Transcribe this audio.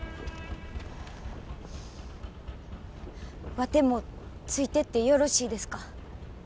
ワテもついてってよろしいですか？